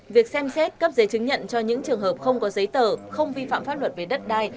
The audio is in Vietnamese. việc xem xét cấp giấy chứng nhận cho những trường hợp không có giấy tờ không vi phạm pháp luật về đất đai